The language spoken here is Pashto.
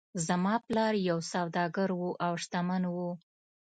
زما پلار یو سوداګر و او شتمن و.